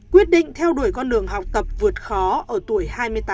quyết định theo đuổi con đường học tập vượt khó ở tuổi hai mươi tám